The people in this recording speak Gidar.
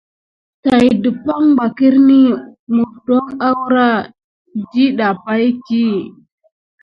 Tät dumpag ɓa kirini wudon akura dida pay ki.